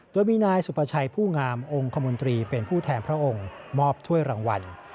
โดยมีนายสุประชัยผู้งามองค์คมนตรีเป็นผู้แทนพระองค์มอบถ้วยรางวัล